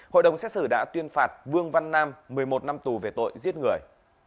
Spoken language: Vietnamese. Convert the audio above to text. hội đồng xét xử đã tuyên phạt vương văn nam một mươi một năm tù về tội giết người